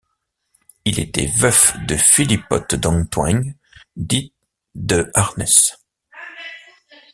Il était veuf de Philippote d’Antoing dite de Harnes.